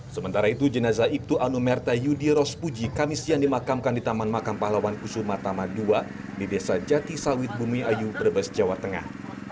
sementara itu jenazah ibtu anumerta yudi rospuji kamisian dimakamkan di taman makam pahlawan kusuma tama ii di desa jati sawit bumi ayu brebes jawa tengah